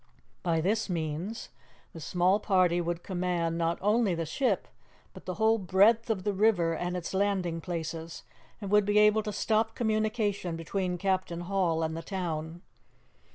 By this means the small party would command, not only the ship, but the whole breadth of the river and its landing places, and would be able to stop communication between Captain Hall and the town.